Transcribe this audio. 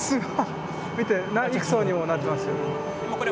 見てなん幾層にもなってますよ。